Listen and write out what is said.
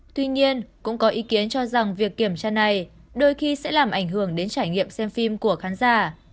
tuy nhiên cũng có ý kiến cho rằng việc kiểm tra này đôi khi sẽ làm ảnh hưởng đến trải nghiệm xem phim của khán giả